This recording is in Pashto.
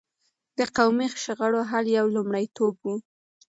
د قومي شخړو حل يې لومړيتوب و.